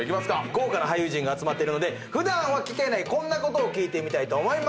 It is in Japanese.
豪華な俳優陣集まっているので普段は聞けないこんなことを聞いてみたいと思います。